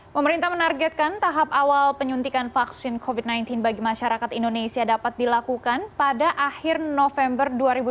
pemerintah menargetkan tahap awal penyuntikan vaksin covid sembilan belas bagi masyarakat indonesia dapat dilakukan pada akhir november dua ribu dua puluh